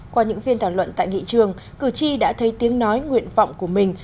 qua những phiên thảo luận tại nghị trường cửu chi đã thấy tiếng nói nguyện vọng của mình